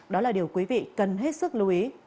đó là điều quý vị cần hết sức lưu ý